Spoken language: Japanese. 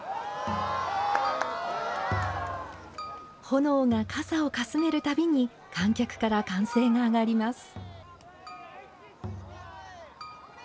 炎がかさをかすめるたびに観客から歓声が上がります。